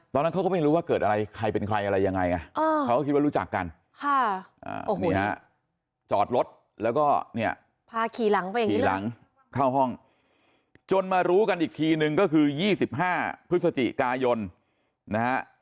ตอนนั้นเขาก็ไม่รู้ว่าเกิดอะไรใครเป็นใครอะไรยังไงอ่ะ